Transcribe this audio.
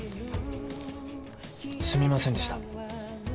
すみませんでした。